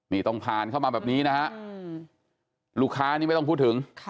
นี่ต้องผ่านเข้ามาแบบนี้นะฮะลูกค้านี่ไม่ต้องพูดถึง